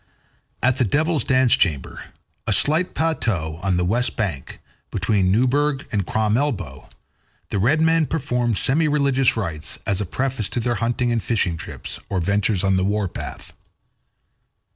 At the Devil's Dance Chamber, a slight plateau on the west bank, between Newburg and Crom Elbow, the red men performed semi religious rites as a preface to their hunting and fishing trips or ventures on the war path.